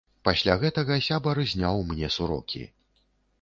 Пасля гэтага сябар зняў мне сурокі.